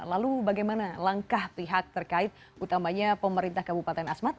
lalu bagaimana langkah pihak terkait utamanya pemerintah kabupaten asmat